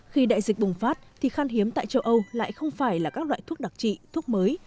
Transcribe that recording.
khi đại dịch bùng phát thì khan hiếm tại châu âu lại không phải là các loại thuốc đặc trị thuốc mới